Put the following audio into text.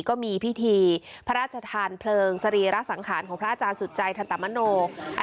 ก็มีพิธีพระราชทานเพลิงสรีระสังขารของพระอาจารย์สุจัยทันตมโน